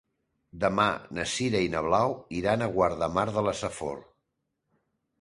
Demà na Sira i na Blau iran a Guardamar de la Safor.